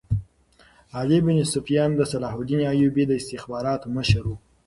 علي بن سفیان د صلاح الدین ایوبي د استخباراتو مشر وو